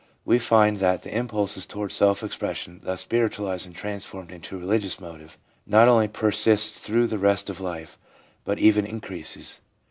We find that the impulse towards self expression, thus spiritualised and transformed into a religious motive, not only persists through the rest of life, but even increases.